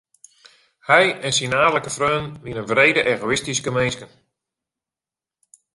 Hy en syn aadlike freonen wiene wrede egoïstyske minsken.